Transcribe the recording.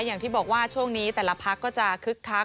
อย่างที่บอกว่าช่วงนี้แต่ละพักก็จะคึกคัก